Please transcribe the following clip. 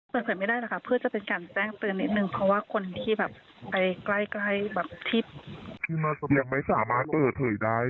เปิดเผยไม่ได้ต่องให้กล่ายใกล้ทิพย์